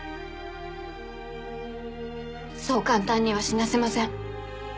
そう簡単には死なせません。